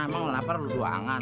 mau lapar lu doangan